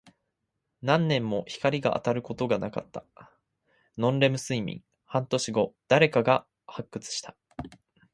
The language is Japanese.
何年も光が当たることなかった。ノンレム睡眠。数年後、誰かが発掘した。